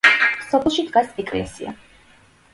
სოფელში დგას ეკლესია.